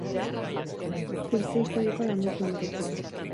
Fikzio historikoa landu zuen bereziki.